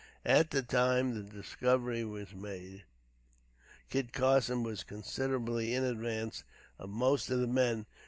At the time the discovery was made, Kit Carson was considerably in advance of most of the men.